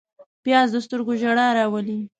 پیاز د سترګو ژړا راولي